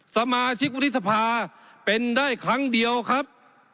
สมาชิกวุฒิสภาเป็นได้ครั้งเดียวครับ